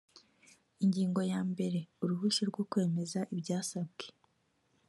ingingo ya mbere uruhushya rwo kwemeza ibyasabw